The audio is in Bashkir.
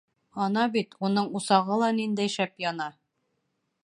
Ана бит, уның усағы ла ниндәй шәп яна!